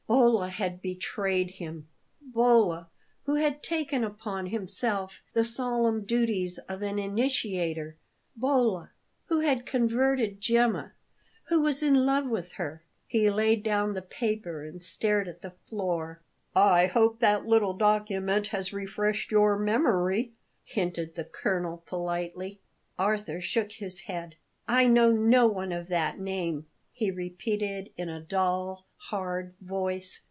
Bolla had betrayed him! Bolla, who had taken upon himself the solemn duties of an initiator Bolla, who had converted Gemma who was in love with her! He laid down the paper and stared at the floor. "I hope that little document has refreshed your memory?" hinted the colonel politely. Arthur shook his head. "I know no one of that name," he repeated in a dull, hard voice.